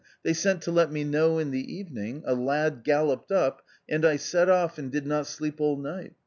They sent to let me know in the evening ; a lad galloped up ; and I set off and did not sleep all night.